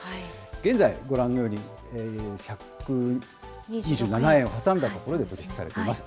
現在、ご覧のように１２７円挟んだところで取り引きされています。